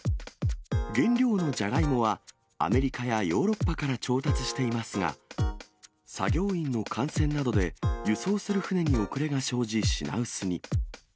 原料のじゃがいもはアメリカやヨーロッパから調達していますが、作業員の感染などで輸送する船に遅れが生じ、品薄に。